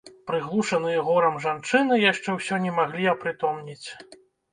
Прыглушаныя горам жанчыны яшчэ ўсё не маглі апрытомнець.